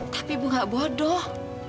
tapi ibu gak bodoh